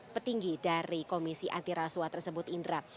petinggi dari komisi anti rasuah tersebut indra